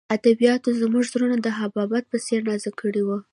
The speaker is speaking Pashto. ادبیاتو زموږ زړونه د حباب په څېر نازک کړي وو